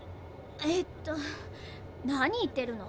えと何言ってるの？